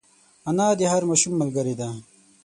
انا د هر ماشوم ملګرې ده